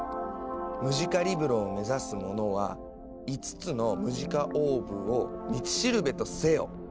「ムジカリブロを目指す者は５つのムジカオーブを道しるべとせよ」。